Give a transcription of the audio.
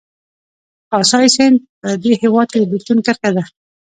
کاسای سیند په دې هېواد کې د بېلتون کرښه ده